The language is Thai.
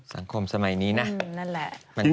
สังคมสมัยนี้นะมันช่างน่ากลัวขึ้นทุกคน